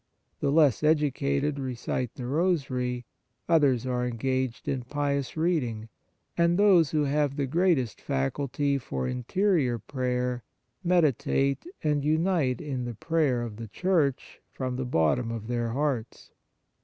The less educated recite the Rosary ; others are engaged in pious reading ; and those who have the greatest faculty for interior prayer meditate and unite in the prayer of the Church from the bottom of their hearts.